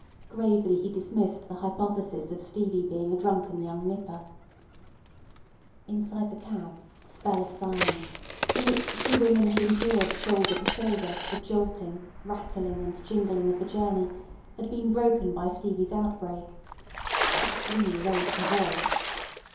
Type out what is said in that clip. Gravely he dismissed the hypothesis of Stevie being a drunken young nipper. Inside the cab the spell of silence, in which the two women had endured shoulder to shoulder the jolting, rattling, and jingling of the journey, had been broken by Stevie's outbreak. Winnie raised her voice.